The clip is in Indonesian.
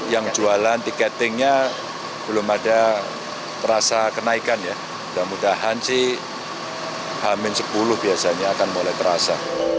yang jualan tiketingnya belum ada terasa kenaikan ya mudah mudahan sih hamin sepuluh biasanya akan mulai terasa